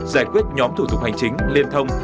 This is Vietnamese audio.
giải quyết nhóm thủ tục hành chính liên thông